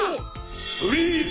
フリーズ！